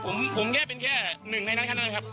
ผมแค่เป็นแค่หนึ่งในนั้นแค่นั้นนะครับ